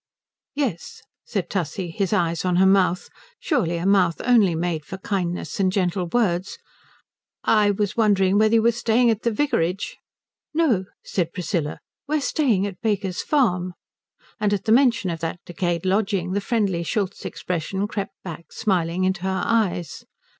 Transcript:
"Yes," said Tussie, his eyes on her mouth surely a mouth only made for kindness and gentle words. "I was wondering whether you were staying at the vicarage." "No," said Priscilla, "we're staying at Baker's Farm." And at the mention of that decayed lodging the friendly Schultz expression crept back, smiling into her eyes.